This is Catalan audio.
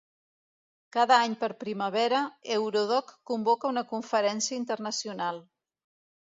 Cada any per primavera, Eurodoc convoca una conferència internacional.